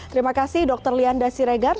terima kasih dr lian dasiregar